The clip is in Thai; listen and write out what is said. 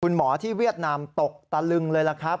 คุณหมอที่เวียดนามตกตะลึงเลยล่ะครับ